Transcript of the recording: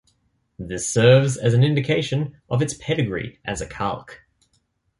This serves as an indication of its pedigree as a calque.